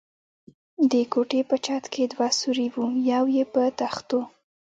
د کوټې په چت کې دوه سوري و، یو یې په تختو.